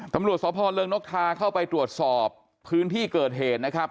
ตำรวจสพเริงนกทาเข้าไปตรวจสอบพื้นที่เกิดเหตุนะครับ